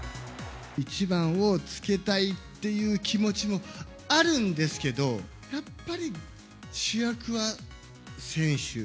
１番をつけたいっていう気持ちも、あるんですけど、やっぱり主役は選手。